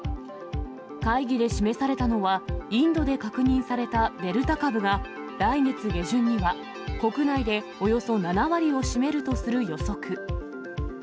会議で示されたのは、インドで確認されたデルタ株が、来月下旬には国内でおよそ７割を占めるとする予測。